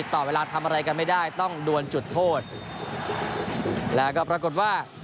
ต่อเวลาทำอะไรกันไม่ได้ต้องดวนจุดโทษแล้วก็ปรากฏว่า